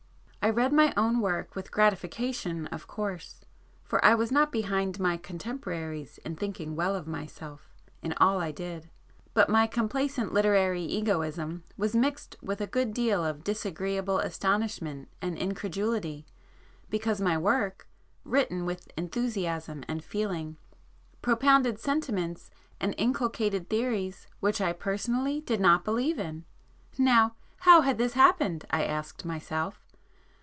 I read my own work with gratification of course, for I was not behind my contemporaries in thinking well of myself in all I did,—but my complacent literary egoism was mixed with a good deal of disagreeable astonishment and incredulity, because my work, written with enthusiasm and feeling, propounded sentiments and inculcated theories which [p 72] I personally did not believe in. Now, how had this happened, I asked myself?